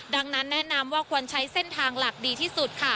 ดังนั้นแนะนำว่าควรใช้เส้นทางหลักดีที่สุดค่ะ